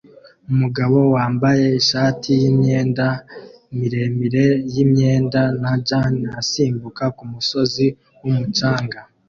Umugabo wambaye ishati yimyenda miremire yimyenda na jans asimbuka kumusozi wumucanga